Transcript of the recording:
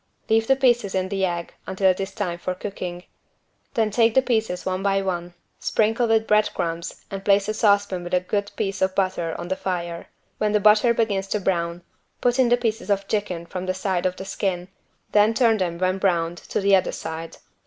Leave the pieces in the egg until it is time for cooking. Then take the pieces one by one, sprinkle with bread crumbs and place a saucepan with a good piece of butter on the fire. When the butter begins to brown put in the pieces of chicken from the side of the skin, then turn them when browned to the other side.